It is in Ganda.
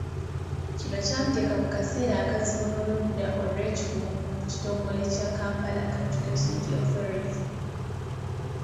Kino kyamuteeka mu kaseera akazibu n’oludda olw’ekikugu mu kitongole kya Kampala Capital City Authority .